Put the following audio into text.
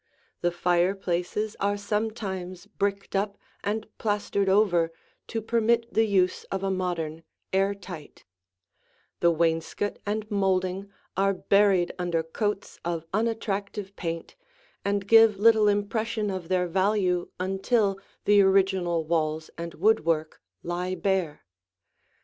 The fireplaces are sometimes bricked up and plastered over to permit the use of a modern "air tight"; the wainscot and molding are buried under coats of unattractive paint and give little impression of their value until the original walls and woodwork lie bare.